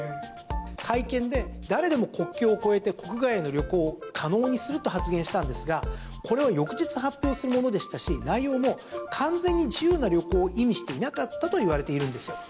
会見で、誰でも国境を越えて国外への旅行を可能にすると発言したんですがこれは翌日発表するものでしたし内容も、完全に自由な旅行を意味していなかったといわれているんですよ。